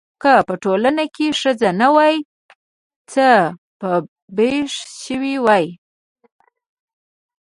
که په ټولنه کې ښځه نه وای څه به پېښ شوي واي؟